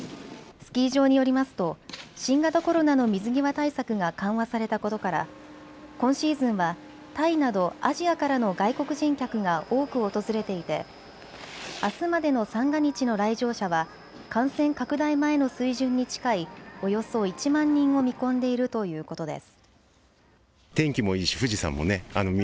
スキー場によりますと新型コロナの水際対策が緩和されたことから今シーズンはタイなどアジアからの外国人客が多く訪れていてあすまでの三が日の来場者は感染拡大前の水準に近いおよそ１万人を見込んでいるということです。